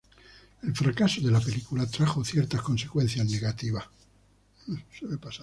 El fracaso de la película trajo ciertas consecuencias negativas.